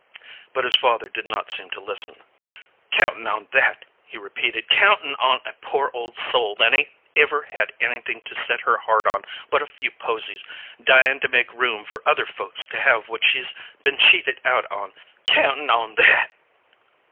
But his father did not seem to listen. "Countin' on that!" he repeated. "Countin' on a poor old soul, that 'ain't ever had anything to set her heart on but a few posies, dyin' to make room for other folks to have what she's been cheated out on. Countin' on that!"